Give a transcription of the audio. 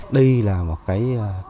đây là một cái